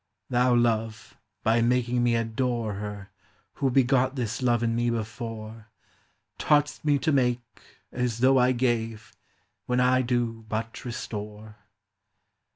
Thou, Love* by making me adore LIFE. 297 Her, who begot this love in me before, Taught'st me to make, as though I gave, when I do but restore.